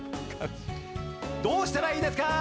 どうしたらいいですか？」